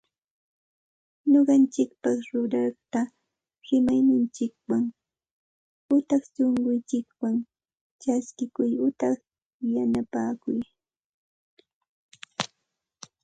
Ñuqanchikpaq ruraqta rimayninchikwan utaq sunqunchikwan chaskikuy utaq yanapakuy